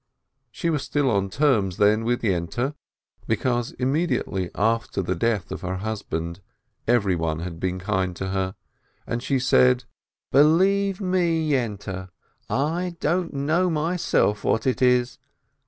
She was still on terms, then, with Yente, because immediately after the death of her husband everyone had been kind to her, and she said : "Believe me, Yente, I don't know myself what it is.